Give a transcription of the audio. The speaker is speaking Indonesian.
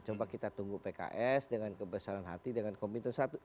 coba kita tunggu pks dengan kebesaran hati dengan komite satu